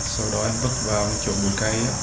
sau đó em bước vào chỗ bụi cây